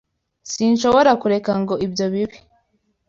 Sinshobora kureka ngo ibyo bibe.